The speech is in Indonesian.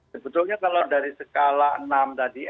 sebetulnya kalau dari skala enam tadi